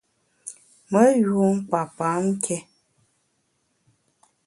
Me yun kpa pam nké.